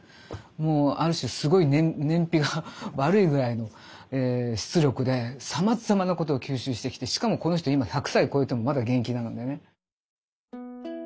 ある種すごい燃費が悪いぐらいの出力でさまざまなことを吸収してきてしかもこの人今１００歳こえてもまだ現役なのでね。